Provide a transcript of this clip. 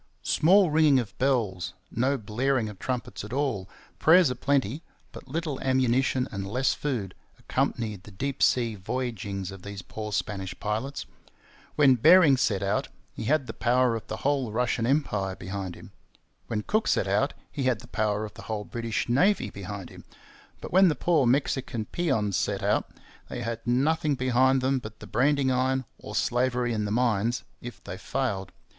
Small ringing of bells, no blaring of trumpets at all, prayers a plenty, but little ammunition and less food, accompanied the deep sea voyagings of these poor Spanish pilots. When Bering set out, he had the power of the whole Russian empire behind him. When Cook set out, he had the power of the whole British Navy behind him. But when the poor Mexican peons set out, they had nothing behind them but the branding iron, or slavery in the mines, if they failed.